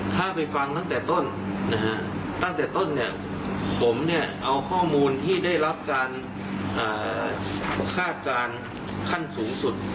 ตั้งแต่ต้นเนี่ยผมเนี่ยเอาข้อมูลที่ได้รับการอ่าฆาตการขั้นสูงสุด